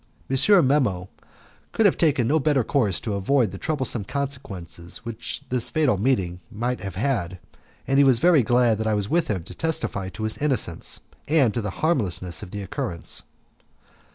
M. Memmo could have taken no better course to avoid the troublesome consequences which this fatal meeting might have had, and he was very glad that I was with him to testify to his innocence and to the harmlessness of the occurrence.